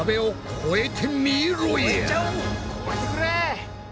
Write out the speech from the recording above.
超えてくれ！